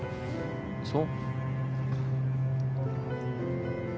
そう？